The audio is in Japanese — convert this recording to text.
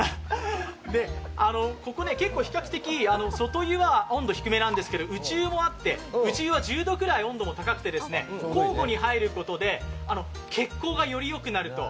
ここね結構比較的、外湯は温度低めなんですけど内湯もあって内湯は１０度くらい温度も高くて交互に入ることで血行がよりよくなると。